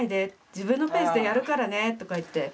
自分のペースでやるからねとか言って。